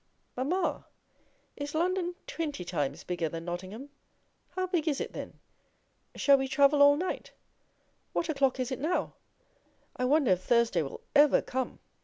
'Mamma! is London twenty times bigger than Nottingham? How big is it, then? Shall we travel all night? What o'clock is it now? I wonder if Thursday will ever come?